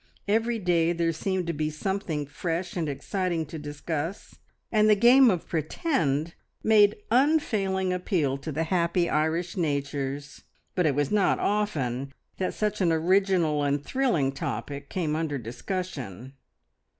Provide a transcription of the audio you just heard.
Every day there seemed something fresh and exciting to discuss, and the game of "pretend" made unfailing appeal to the happy Irish natures, but it was not often that such an original and thrilling topic came under discussion.